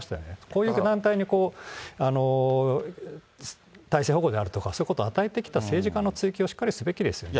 こういう団体に体制保護であるとか、そういうこと与えてきた政治家への追及をしっかりすべきですよね。